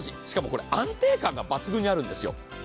しかもこれ安定感が抜群にあるんですよ。